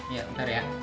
iya bentar ya